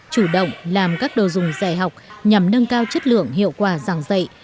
chủ động làm các đồ dùng dạy học nhằm nâng cao chất lượng hiệu quả giảng dạy